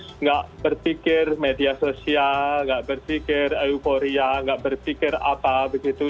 tidak berpikir media sosial nggak berpikir euforia nggak berpikir apa begitu